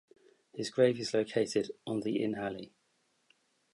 His grave is located on the in Halle.